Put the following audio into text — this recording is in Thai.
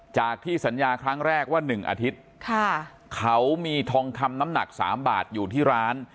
จากที่สัญญาครั้งแรกว่า๑อาทิตย์เขามีทองคำน้ำหนัก๓บาทอยู่ที่ร้าน